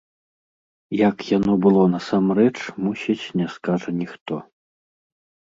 Як яно было насамрэч, мусіць, не скажа ніхто.